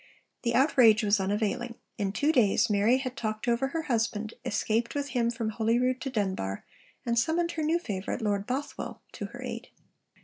The outrage was unavailing; in two days Mary had talked over her husband, escaped with him from Holyrood to Dunbar, and summoned her new favourite, Lord Bothwell, to her aid.